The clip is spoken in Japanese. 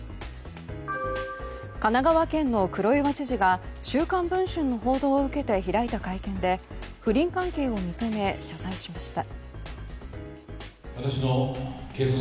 神奈川県の黒岩知事が「週刊文春」の報道を受けて開いた会見で不倫関係を認め謝罪しました。